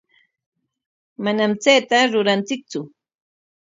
Manam chayta ruranchiktsu.